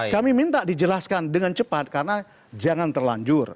kami minta dijelaskan dengan cepat karena jangan terlanjur